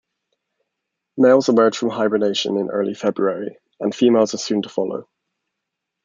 Males emerge from hibernation in early February and females are soon to follow.